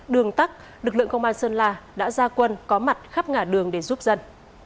đường tắt lực lượng công an sơn la đã ra quân có mặt khắp ngả đường để giúp dân